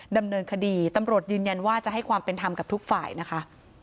ดำเนินคดีตำรวจยืนยันว่าจะให้ความเป็นธรรมกับทุกฝ่ายนะคะ